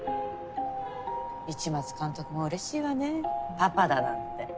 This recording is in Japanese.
市松監督もうれしいわねパパだなんて。